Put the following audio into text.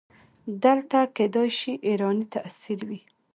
دلته کیدای شي ایرانی تاثیر وي.